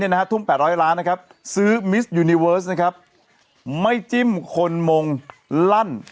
เอาไปเอาให้จ้อไปเก็บไว้ก่อนไป